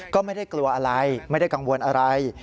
ก็ไม่ได้กลัวอะไรไม่ได้กังวลอะไร